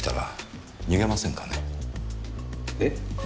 えっ？